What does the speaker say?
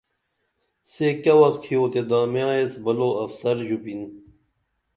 سے کیہ وخ تھیو تے دامیاں ایس بلو افسر ژُپن